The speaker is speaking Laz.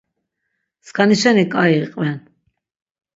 Skani şeni ǩai iqven.